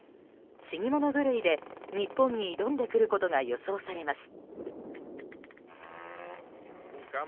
死に物狂いで日本に挑んでくることが予想されてます。